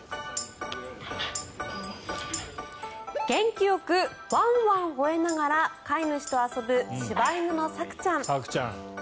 元気よくワンワンほえながら飼い主と遊ぶ柴犬のさくちゃん。